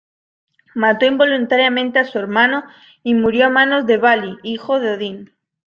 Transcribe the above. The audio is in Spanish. Mató involuntariamente a su hermano y murió a manos de Vali, hijo de Odín.